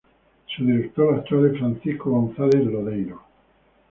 Su director actual es Francisco González Lodeiro.